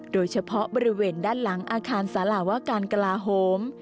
โดยเฉพาะบริเวณด้านหลังอาคารสารวการกลาโฮม